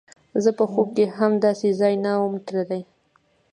زه په خوب کښې هم داسې ځاى ته نه وم تللى.